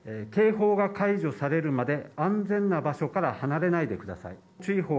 警報が解除されるまで、安全な場所から離れないでください。